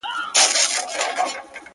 ذخیرې مي کړلې ډیري شین زمری پر جنګېدمه-